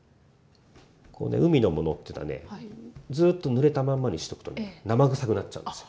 海のものっていうのはねずっと濡れたまんまにしとくとね生臭くなっちゃうんですよ。